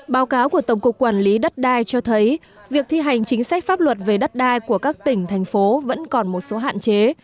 báo cáo của tổng cục quản lý đất đai cho thấy việc thi hành chính sách pháp luật về đất đai của các tỉnh thành phố vẫn còn một số hạn chế